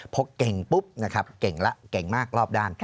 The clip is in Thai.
พอเก่งปุ๊บนะครับเก่งแล้วเก่งมากรอบด้าน